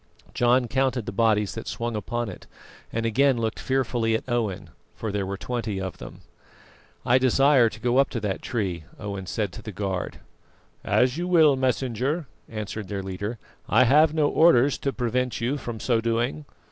John counted the bodies that swung upon it, and again looked fearfully at Owen, for there were twenty of them. "I desire to go up to that tree," Owen said to the guard. "As you will, Messenger," answered their leader; "I have no orders to prevent you from so doing.